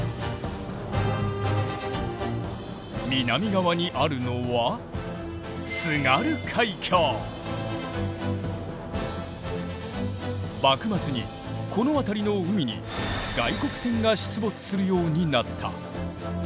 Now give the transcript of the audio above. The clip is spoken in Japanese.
南側にあるのは幕末にこの辺りの海に外国船が出没するようになった。